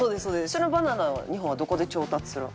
そのバナナ２本はどこで調達するん？